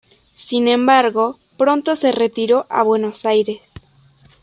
Sin embargo, pronto se retiró a Buenos Aires.